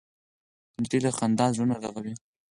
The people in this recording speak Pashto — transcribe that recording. نجلۍ له خندا زړونه رغوي.